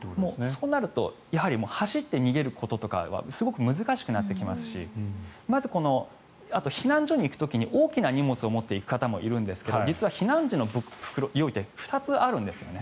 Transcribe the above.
そうなるとやはり走って逃げることとかはすごく難しくなってきますしあと避難所に行く時に大きな荷物を持っていく方もいるんですが実は避難時の用意って２つあるんですね。